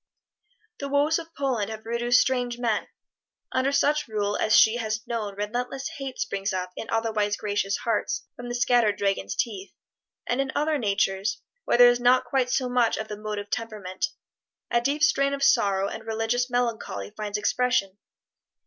The woes of Poland have produced strange men. Under such rule as she has known relentless hate springs up in otherwise gracious hearts from the scattered dragons' teeth; and in other natures, where there is not quite so much of the motive temperament, a deep strain of sorrow and religious melancholy finds expression.